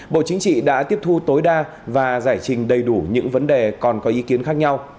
bộ chính trị đã tiếp thu tối đa và giải trình đầy đủ những vấn đề còn có ý kiến khác nhau